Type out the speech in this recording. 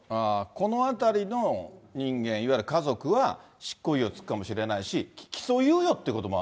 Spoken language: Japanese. このあたりの人間、いわゆる家族は、執行猶予付くかもしれないし、起訴猶予ってことも。